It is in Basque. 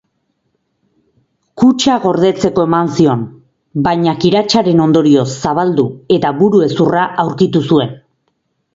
Kutxa gordetzeko eman zion, baina kiratsaren ondorioz zabaldu eta buru-hezurra aurkitu zuen.